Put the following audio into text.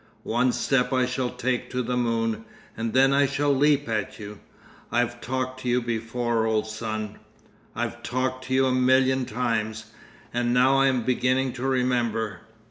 One step I shall take to the moon, and then I shall leap at you. I've talked to you before, old Sun, I've talked to you a million times, and now I am beginning to remember.